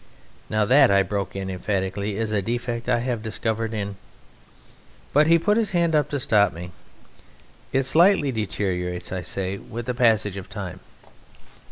"Now that," I broke in emphatically, "is a defect I have discovered in " But he put up his hand to stop me. "It slightly deteriorates, I say, with the passage of time."